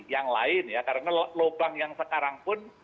yang lain ya karena lubang yang sekarang pun